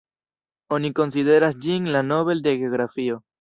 Oni konsideras ĝin la Nobel de geografio.